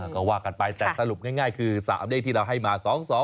ก็ว่ากันไปแต่สรุปง่ายคือ๓เลขที่เราให้มา๒๒